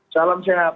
selamat sore pak alman